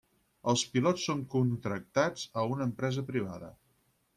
Els pilots són contractats a una empresa privada.